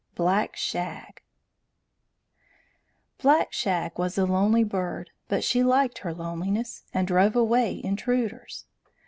BLACK SHAG Black Shag was a lonely bird, but she liked her loneliness, and drove away intruders.